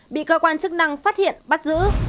bị cơ quan chức năng phát hiện bắt giữ